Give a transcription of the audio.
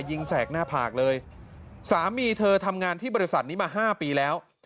แสกหน้าผากเลยสามีเธอทำงานที่บริษัทนี้มาห้าปีแล้ว